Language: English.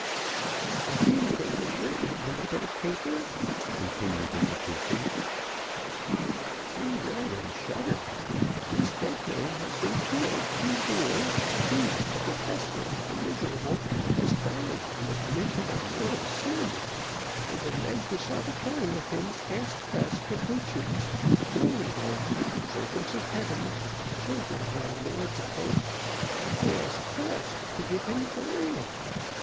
"What do you think was written on the bit of paper?" continued the Capuchin "We read and shudder. This dead man has been killed in a duel he, the desperate, the miserable, has died in the commission of mortal sin; and the men who saw the killing of him ask us Capuchins, holy men, servants of Heaven, children of our lord the Pope they ask us to give him burial!